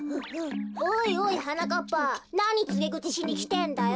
おいおいはなかっぱなにつげぐちしにきてんだよ。